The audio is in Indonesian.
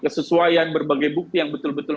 kesesuaian berbagai bukti yang betul betul